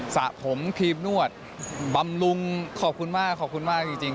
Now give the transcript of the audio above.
สระผมครีมนวดบำรุงขอบคุณมากจริง